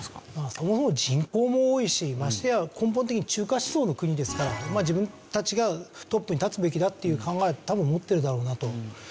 そもそも人口も多いしましてや根本的に中華思想の国ですから自分たちがトップに立つべきだっていう考えは多分持ってるだろうなと。